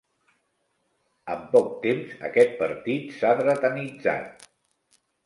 Amb poc temps aquest partit s'ha dretanitzat.